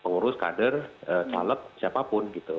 pengurus kader caleg siapapun